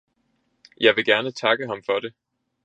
Jeg vil gerne takke ham for det.